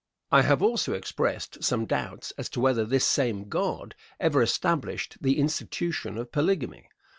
I have also expressed some doubts as to whether this same God ever established the institution of polygamy.